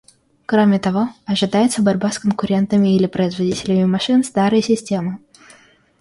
Кроме того, ожидается борьба с конкурентами или производителями машин старой системы.